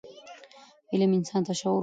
علم انسان ته شعور ورکوي.